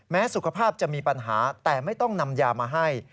สุขภาพจะมีปัญหาแต่ไม่ต้องนำยามาให้